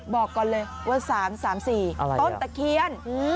บอกก่อนเลยว่า๓๓๔ต้นตะเคียน